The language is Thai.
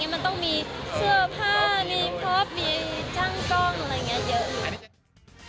มันต้องมีเสื้อผ้ามีฟาร์ตมีจ้างกล้องทำอะไรเยอะ